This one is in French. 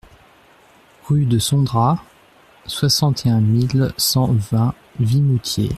Rue de Sontra, soixante et un mille cent vingt Vimoutiers